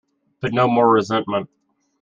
But no more resentment.